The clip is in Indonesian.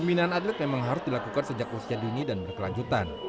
pembinaan atlet memang harus dilakukan sejak usia dini dan berkelanjutan